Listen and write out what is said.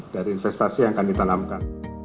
dari investasi yang akan ditanamkan